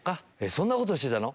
「そんなことしてたの⁉」